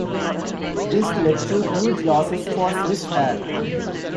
This led to huge losses for Swissair.